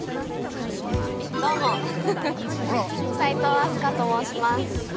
◆どうも、齋藤飛鳥と申します。